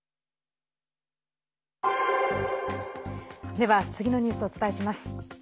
では、次のニュースをお伝えします。